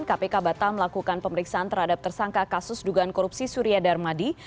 kpk batal melakukan pemeriksaan terhadap tersangka kasus dugaan korupsi surya darmadi